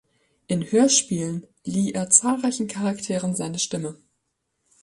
In Hörspielen lieh er zahlreichen Charakteren seine Stimme.